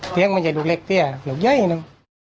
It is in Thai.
เตี๊ยงมันใหญ่ลูกเล็กเตี๊ยหลักเย้น